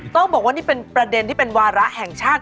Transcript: ต้องบอกว่านี่เป็นประเด็นที่เป็นวาระแห่งชาติ